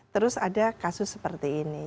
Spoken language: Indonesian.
terus ada kasus seperti ini